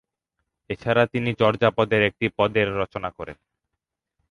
এছাড়া তিনি চর্যাপদের একটি পদের রচনা করেন।